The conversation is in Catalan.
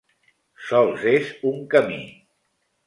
Sols és un camí.